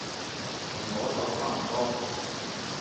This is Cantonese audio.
同嗰首差唔多